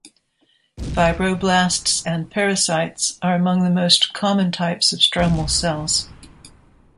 Fibroblasts and pericytes are among the most common types of stromal cells.